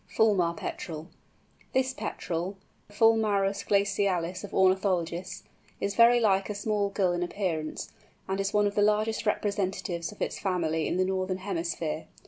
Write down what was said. FULMAR PETREL. This Petrel, the Fulmarus glacialis of ornithologists, is very like a small gull in appearance, and is one of the largest representatives of its family in the northern hemisphere.